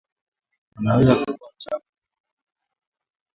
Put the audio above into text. wanaweza kutoa michango yenye kuthaminiwa